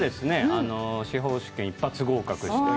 司法試験に一発合格して。